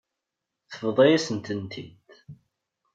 Tebḍa-yasent-tent-id.